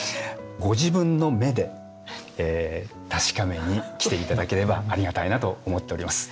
ご自分の目で確かめに来て頂ければありがたいなと思っております。